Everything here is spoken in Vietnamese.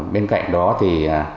bên cạnh đó thì